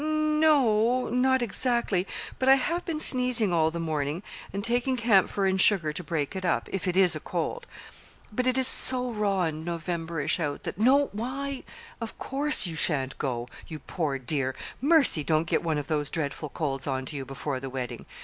"N no, not exactly; but I have been sneezing all the morning, and taking camphor and sugar to break it up if it is a cold. But it is so raw and Novemberish out, that " "Why, of course you sha'n't go, you poor dear! Mercy! don't get one of those dreadful colds on to you before the wedding!